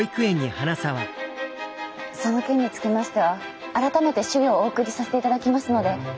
その件につきましては改めて資料をお送りさせていただきますので。